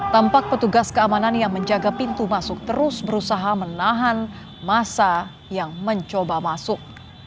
tampak petugas keamanan yang menjaga pintu masuk terus berusaha menahan masa yang mencoba masuk